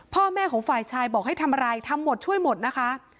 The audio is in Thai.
พ่อแม่ของฝ่ายชายบอกให้ทำอะไรทำหมดช่วยหมดนะคะ